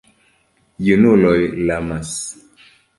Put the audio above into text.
Junuloj lamas.